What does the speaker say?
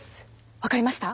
分かりました？